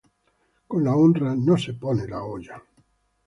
Con la honra no se pone la olla.